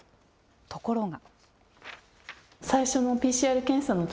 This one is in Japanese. ところが。